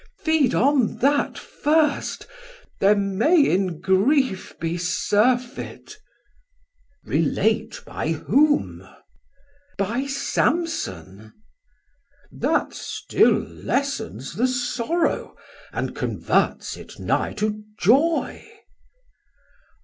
Mess: Feed on that first, there may in grief be surfet. Man: Relate by whom. Mess: By Samson. Man: That still lessens The sorrow, and converts it nigh to joy.